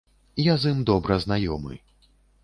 Я з ім добра знаёмы.